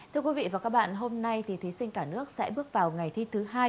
thưa quý vị và các bạn hôm nay thì thí sinh cả nước sẽ bước vào ngày thi thứ hai